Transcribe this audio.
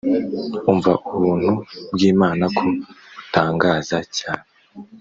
Umva Ubuntu bw’Imana ko butangaza cyane